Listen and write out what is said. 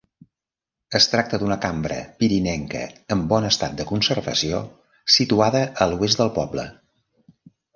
Es tracta d'una cambra pirinenca en bon estat de conservació, situada a l'oest del poble.